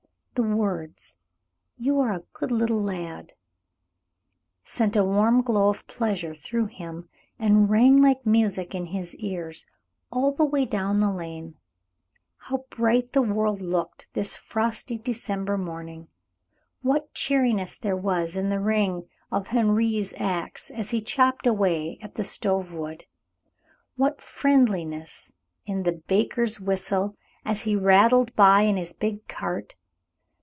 The words, "You are a good little lad," sent a warm glow of pleasure through him, and rang like music in his ears all the way down the lane. How bright the world looked this frosty December morning! What cheeriness there was in the ring of Henri's axe as he chopped away at the stove wood! What friendliness in the baker's whistle, as he rattled by in his big cart!